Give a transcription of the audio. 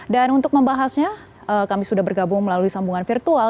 untuk membahasnya kami sudah bergabung melalui sambungan virtual